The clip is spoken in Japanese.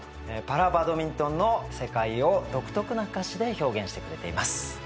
パラバドミントンの世界を独特な歌詞で表現してくれています。